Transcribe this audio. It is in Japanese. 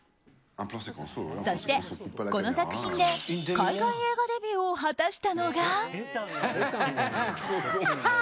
そして、この作品で海外映画デビューを果たしたのが。